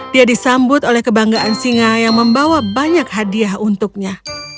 dia disambut oleh kebanggaan singa yang membawa banyak hadiah untuknya